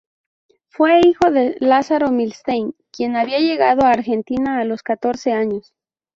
Fue hijo de Lázaro Milstein, quien había llegado a Argentina a los catorce años.